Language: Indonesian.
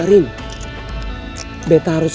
aku mau pergi ke rumah